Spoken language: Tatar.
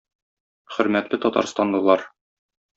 Хөрмәтле татарстанлылар!